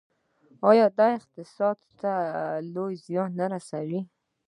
آیا دا اقتصاد ته لوی زیان نه رسوي؟